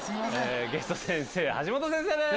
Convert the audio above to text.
ゲスト先生橋本先生です。